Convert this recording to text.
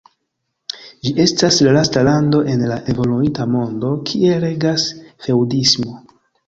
Ĝi estas la lasta lando en la evoluinta mondo, kie regas feŭdismo.